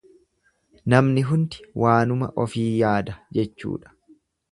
Namni hundi waanuma ofii yaada jechuudha.